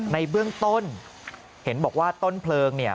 ในเบื้องต้นเห็นบอกว่าต้นเพลิงเนี่ย